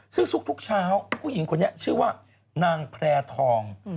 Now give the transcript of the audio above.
ซึ่งทุกเช้าผู้หญิงคนนี้ชื่อว่านางแพร่ทอง